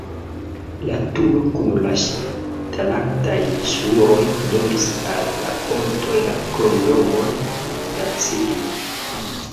La turo kun la ŝtalaj ŝnuroj donis al la ponto la kromnomon "la cigno".